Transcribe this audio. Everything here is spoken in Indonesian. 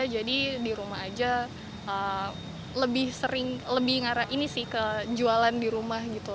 jadi di rumah aja lebih sering lebih ngara ini sih kejualan di rumah gitu